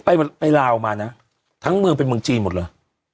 ไปไปลาวมานะทั้งเมืองเป็นเมืองจีนหมดเลย